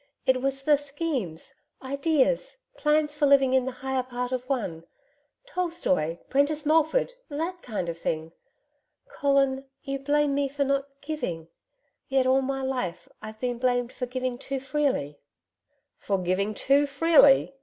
It was the schemes, ideas, plans for living in the higher part of one. Tolstoy, Prentice Mulford that kind of thing.... Colin, you blame me for not GIVING; yet, all my life, I've been blamed for giving too freely.' 'For giving too freely!'